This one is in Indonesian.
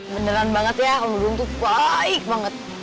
beneran banget ya om dudung tuh baik banget